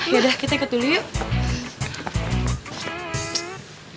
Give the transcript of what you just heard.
yaudah kita ikut dulu yuk